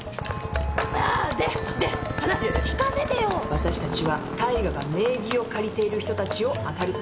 わたしたちは大我が名義を借りている人たちを当たる。